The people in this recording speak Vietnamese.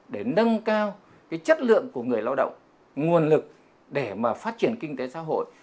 để nâng cao cái chất lượng của người lao động nguồn lực để mà phát triển kinh tế xã hội